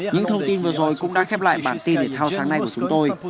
những thông tin vừa rồi cũng đã khép lại bản tin thể thao sáng nay của chúng tôi